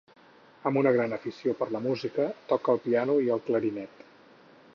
Amb una gran afició per la música, toca el piano i el clarinet.